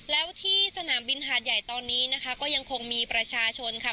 แล้วที่สนามบินหาดใหญ่ตอนนี้นะคะก็ยังคงมีประชาชนค่ะ